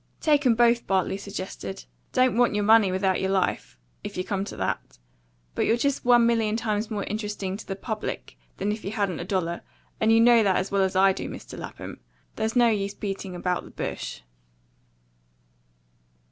"Take 'em both," Bartley suggested. "Don't want your money without your life, if you come to that. But you're just one million times more interesting to the public than if you hadn't a dollar; and you know that as well as I do, Mr. Lapham. There's no use beating about the bush."